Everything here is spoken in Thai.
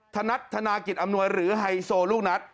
ธนัดธนากิจอำนวยหรือไฮโซลูกนัด